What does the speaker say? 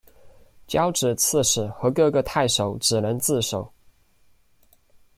交址刺史和各个太守只能自守。